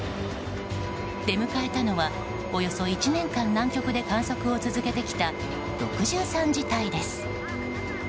出迎えたのはおよそ１年間、南極で観測を続けてきた６３次隊です。